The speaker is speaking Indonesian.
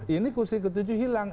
ini kursi ketujuh hilang